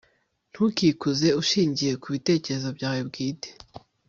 ntukikuze ushingiye ku bitekerezo byawe bwite